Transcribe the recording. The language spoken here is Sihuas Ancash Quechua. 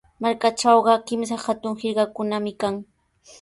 Markaatrawqa kimsa hatun hirkakunami kan.